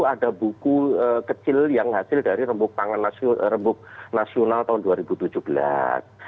jadi itu ada buku kecil yang hasil dari rembuk pangan nasional tahun dua ribu tujuh belas